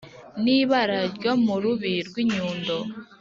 n’ibara ryo mu rubi rw’ i nyundo.